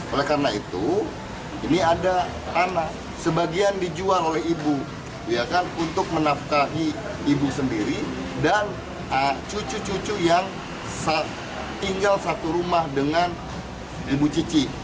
oleh karena itu ini ada tanah sebagian dijual oleh ibu untuk menafkahi ibu sendiri dan cucu cucu yang tinggal satu rumah dengan ibu cici